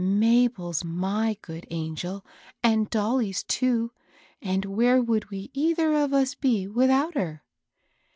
" Mabel's my good angel, and Dolly's too. And where would we either of us be without her